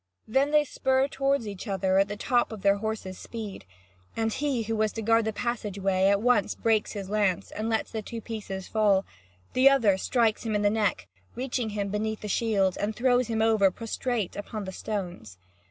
Then they spur toward each other at the top of their horses' speed. And he who was to guard the passage way at once breaks his lance and lets the two pieces fall; the other strikes him in the neck, reaching him beneath the shield, and throws him over prostrate upon the stones.